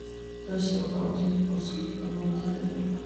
დღეისათვის, უდაბნო თითქმის დაუსახლებელი და განუვითარებელია.